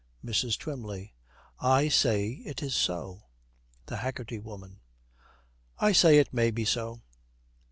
MRS. TWYMLEY. 'I say it is so.' THE HAGGERTY WOMAN. 'I say it may be so.'